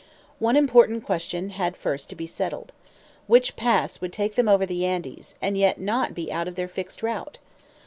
One important question had first to be settled. Which pass would take them over the Andes, and yet not be out of their fixed route?